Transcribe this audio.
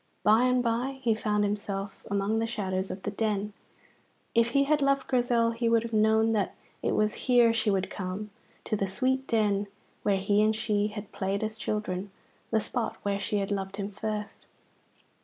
By and by he found himself among the shadows of the Den. If he had loved Grizel he would have known that it was here she would come, to the sweet Den where he and she had played as children, the spot where she had loved him first.